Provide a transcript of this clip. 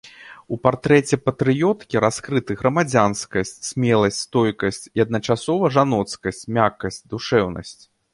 У партрэце патрыёткі раскрыты грамадзянскасць, смеласць, стойкасць і адначасова жаноцкасць, мяккасць, душэўнасць.